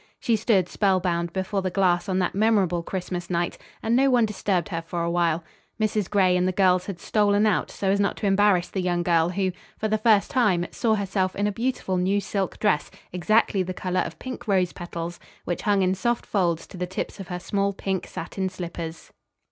She stood spellbound before the glass on that memorable Christmas night, and no one disturbed her for awhile. Mrs. Gray and the girls had stolen out so as not to embarrass the young girl who, for the first time, saw herself in a beautiful new silk dress exactly the color of pink rose petals, which hung in soft folds to the tips of her small pink satin slippers.